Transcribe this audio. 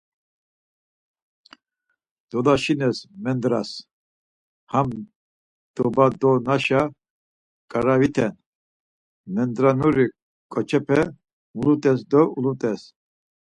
Doloşines mendras, ham dobadonaşa ǩaraviten, mendranuri ǩoçepe mulut̆es do ulut̆es.